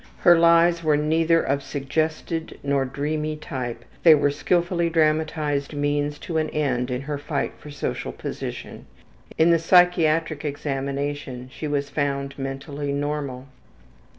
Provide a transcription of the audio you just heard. Her lies were neither of suggested nor dreamy type, they were skillfully dramatized means to an end in her fight for social position. In the psychiatric examination she was found mentally normal.